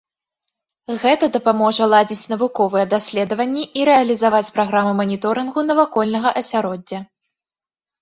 Гэта дапаможа ладзіць навуковыя даследаванні і рэалізаваць праграмы маніторынгу навакольнага асяроддзя.